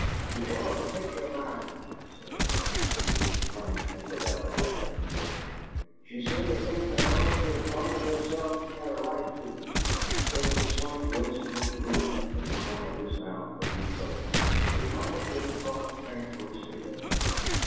"She tore up a picture of mine," he said, receiving the punishment without apparent emotion. "She seemed to think because she'd drawn it herself she had a right to." There was a slight whimsical droop at the corner of his mouth as he spoke, which might have been thought characteristic of him.